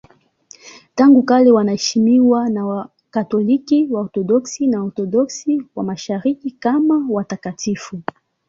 Tangu kale wanaheshimiwa na Wakatoliki, Waorthodoksi na Waorthodoksi wa Mashariki kama watakatifu.